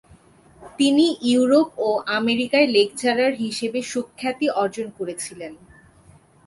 তিনি ইউরোপ ও আমেরিকায় লেকচারার হিসেবে সুখ্যাতি অর্জন করেছিলেন।